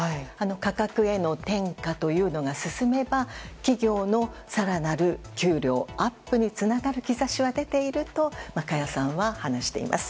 価格への転嫁というのが進めば企業の更なる給料アップにつながる兆しは出ていると加谷さんは話しています。